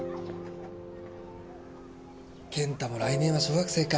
健太も来年は小学生か。